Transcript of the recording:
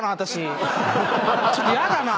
ちょっとヤダな。